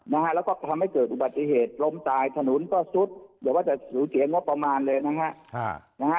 แล้วก็ทำให้เกิดอุบัติเหตุล้มตายถนนก็ซุดเดี๋ยวว่าจะสูญเอ็งว่าประมาณเลยนะฮะ